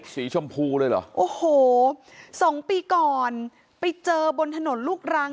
สีชมพูเลยเหรอโอ้โหสองปีก่อนไปเจอบนถนนลูกรัง